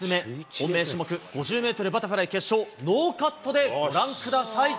本命種目、５０メートルバタフライ決勝、ノーカットでご覧ください。